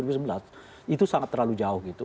itu sangat terlalu jauh gitu